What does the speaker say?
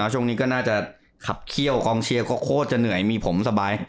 ช่วงนี้ก็น่าจะขับเขี้ยวกองเชียร์ก็โคตรจะเหนื่อยมีผมสบาย